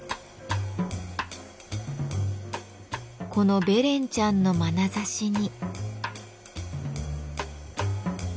このべレンちゃんのまなざしに。